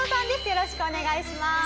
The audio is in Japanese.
よろしくお願いします。